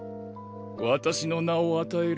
私の名を与える。